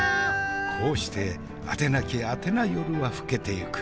こうしてあてなきあてなよるは更けていく。